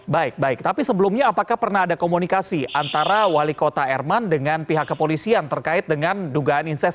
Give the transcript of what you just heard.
baik baik tapi sebelumnya apakah pernah ada komunikasi antara wali kota erman dengan pihak kepolisian terkait dengan dugaan inses